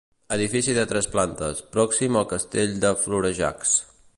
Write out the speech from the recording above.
Edifici de tres plantes, pròxim al castell de Florejacs.